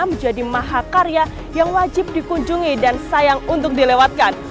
menjadi mahakarya yang wajib dikunjungi dan sayang untuk dilewatkan